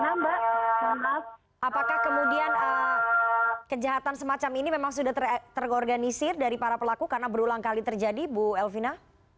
apakah kemudian kejahatan semacam ini memang sudah terorganisir dari para pelaku karena berulang kali terjadi bu elvina